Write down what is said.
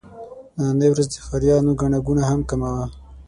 نننۍ ورځ د ښاريانو ګڼه ګوڼه هم کمه وه.